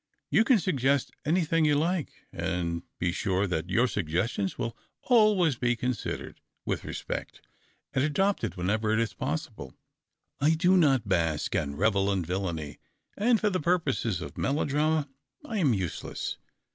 You can suggest any thing you like, and be sure that your sugges tions will always be considered with respect, and adopted wherever it is possible. I do not bask and revel in villainy, and for the purposes of melodrama I am useless.